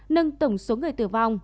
nâng tổng số người tử vong